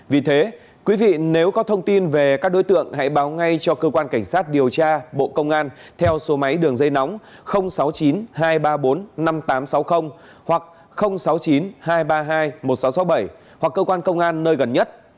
vì thế quý vị nếu có thông tin về các đối tượng hãy báo ngay cho cơ quan cảnh sát điều tra bộ công an theo số máy đường dây nóng sáu mươi chín hai trăm ba mươi bốn năm nghìn tám trăm sáu mươi hoặc sáu mươi chín hai trăm ba mươi hai một nghìn sáu trăm sáu mươi bảy hoặc cơ quan công an nơi gần nhất